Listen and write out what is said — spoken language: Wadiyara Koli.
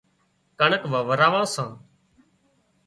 ڪڻڪ واوران سان